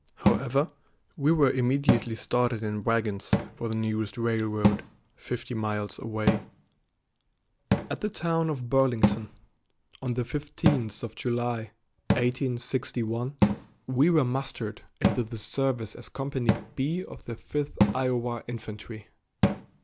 However, we were immediately started in wagons for the nearest railroad, fifty miles away. At the town of Burlington, on the 15th of July, 1861, we were mustered into the service as Company B of the Fifth Iowa Infantry.